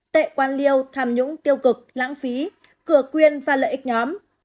tệ quan liêu tham nhũng tiêu cực lãng phí cửa quyền và lợi ích nhóm